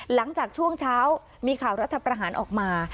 หลังจากช่วงเช้ามีข่าวรัฐประหารออกมา